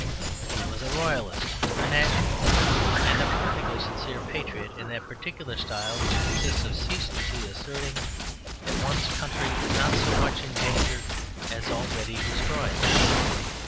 He was a Royalist, a Nationalist, and a perfectly sincere patriot in that particular style which consists of ceaselessly asserting that one's country is not so much in danger as already destroyed.